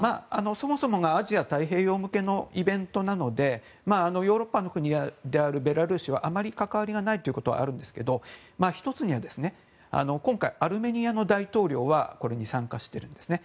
そもそもがアジア太平洋向けのイベントなのでヨーロッパの国であるベラルーシはあまり関わりがないということもあるんですが１つには今回アルメニアの大統領はこれに参加してるんですね。